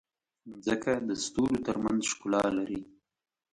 مځکه د ستورو ترمنځ ښکلا لري.